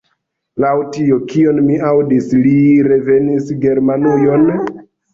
Laŭ tio, kion mi aŭdis, li revenis Germanujon?